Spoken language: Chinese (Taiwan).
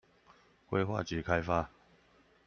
規劃及開發